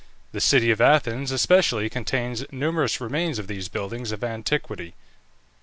The city of Athens especially contains numerous remains of these buildings of antiquity.